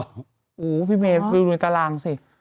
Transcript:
โอ้โฮพี่เมย์วิวนูนการังสิ